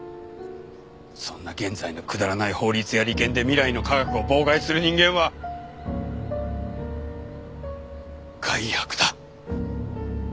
そんな現在のくだらない法律や利権で未来の科学を妨害する人間は害悪だ。